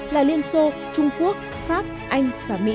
là liên xô trung quốc pháp anh